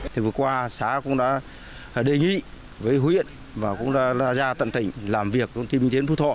thì vừa qua xã cũng đã đề nghị với huyện và cũng đã ra tận tỉnh làm việc công ty minh tiến phú thọ